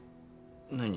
何？